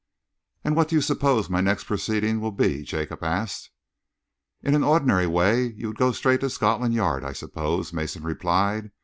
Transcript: "And what do you suppose my next proceeding will be?" Jacob asked. "In an ordinary way you would go straight to Scotland Yard, I suppose," Mason replied.